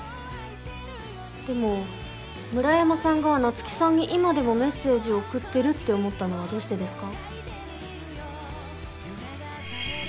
でも村山さんが菜月さんに今でもメッセージを送ってるって思ったのはどうしてですか？